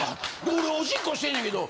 俺おしっこしてんねんけど。